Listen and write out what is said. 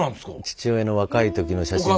父親の若い時の写真。